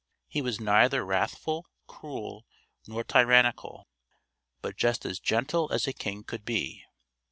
He was neither wrathful, cruel, nor tyrannical, but just and gentle as a king could be.